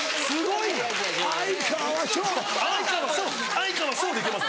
「哀川翔！」でいけますよ。